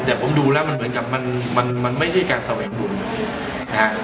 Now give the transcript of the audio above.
แต่ผมดูแล้วมันเหมือนกับมันมันไม่ใช่การแสวงบุญนะฮะ